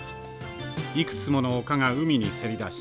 いくつもの丘が海にせり出し